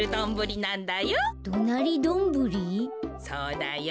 そうだよ。